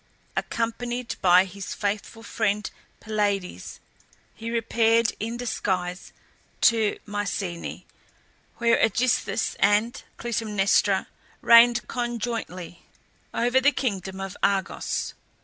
Accompanied by his faithful friend Pylades, he repaired in disguise to Mycenae, where AEgisthus and Clytemnestra reigned conjointly over the kingdom of Argos.